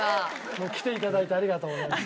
もう来て頂いてありがとうございます。